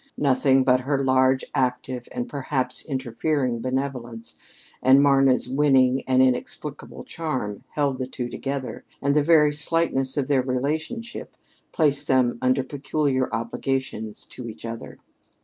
Nothing but her large, active, and perhaps interfering benevolence and Mama's winning and inexplicable charm held the two together, and the very slightness of their relationship placed them under peculiar obligations to each other.